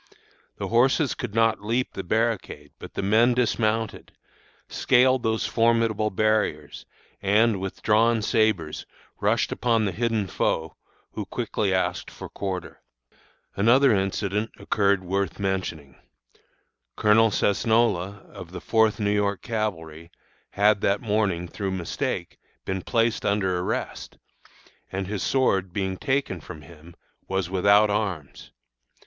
The horses could not leap the barricade, but the men dismounted, scaled those formidable barriers, and, with drawn sabres, rushed upon the hidden foe, who quickly asked for quarter. "Another incident occurred worth mentioning. Colonel Cesnola, of the Fourth New York Cavalry, had that morning, through mistake, been placed under arrest, and, his sword being taken from him, was without arms.